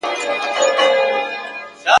اوس دېوالونه هم غوږونه لري !.